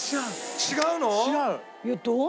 違うの？